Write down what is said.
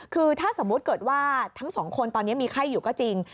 คือถ้าสมมุติเกิดว่าทั้งสองคนตอนนี้มีไข้อยู่ก็จริง